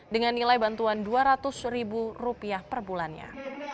dengan nilai bantuan rp dua ratus ribu per bulannya